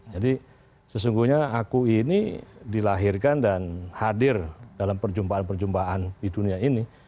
jadi sesungguhnya aku ini dilahirkan dan hadir dalam perjumpaan perjumpaan di dunia ini